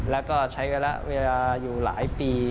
แล้วก็ใช้ระยะเวลาอยู่หลายปี